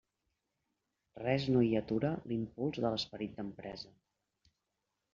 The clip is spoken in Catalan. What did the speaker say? Res no hi atura l'impuls de l'esperit d'empresa.